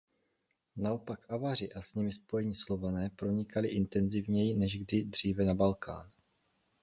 Naopak Avaři a s nimi spojení Slované pronikali intenzivněji než kdy dříve na Balkán.